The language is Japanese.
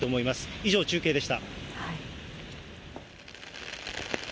以上、中継でした。